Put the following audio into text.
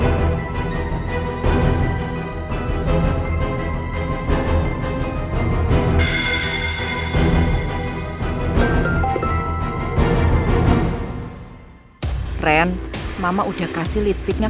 keren mama udah kasih lipsticknya